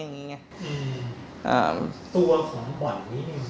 ตัวของบ่อนนี้เปิดมานานหรือยัง